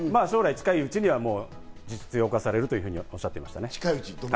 近いうちに実用化されるとおっしゃってましたね。